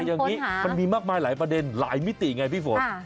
อย่างนี้มันมีมากมายหลายประเด็นหลายมิติไงพี่ฝน